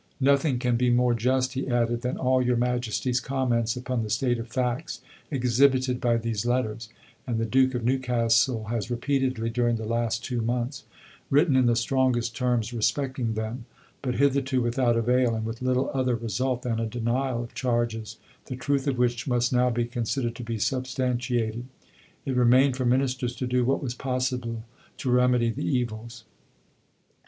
"Nothing can be more just," he added, "than all your Majesty's comments upon the state of facts exhibited by these letters, and the Duke of Newcastle has repeatedly, during the last two months, written in the strongest terms respecting them but hitherto without avail, and with little other result than a denial of charges, the truth of which must now be considered to be substantiated." It remained for Ministers to do what was possible to remedy the evils.